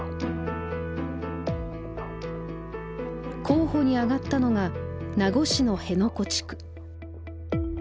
候補に挙がったのが名護市の辺野古地区。